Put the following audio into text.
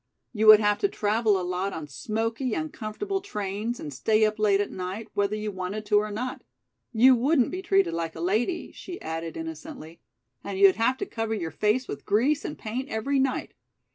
"You would have to travel a lot on smoky, uncomfortable trains and stay up late at night, whether you wanted to or not. You wouldn't be treated like a lady," she added innocently, "and you'd have to cover your face with grease and paint every night."